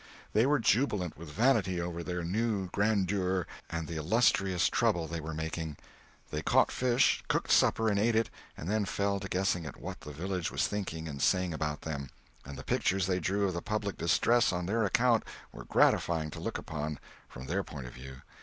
They were jubilant with vanity over their new grandeur and the illustrious trouble they were making. They caught fish, cooked supper and ate it, and then fell to guessing at what the village was thinking and saying about them; and the pictures they drew of the public distress on their account were gratifying to look upon—from their point of view.